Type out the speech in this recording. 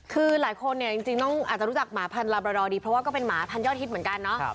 คือหลายคนเนี่ยจริงต้องอาจจะรู้จักหมาพันลาบราดอดีเพราะว่าก็เป็นหมาพันยอดฮิตเหมือนกันเนาะ